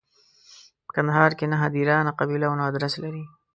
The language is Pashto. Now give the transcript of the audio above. په کندهار کې نه هدیره، نه قبیله او نه ادرس لري.